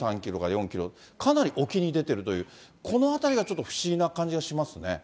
かなり沖に出ているという、このあたりがちょっと不思議な感じがしますね。